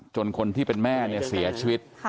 คนที่เป็นแม่เนี่ยเสียชีวิต